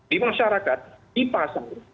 di masyarakat di pasang